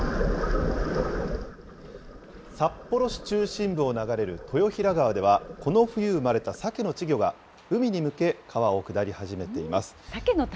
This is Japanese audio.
札幌市中心部を流れる豊平川では、この冬生まれたサケの稚魚が、海に向け川を下り始めています。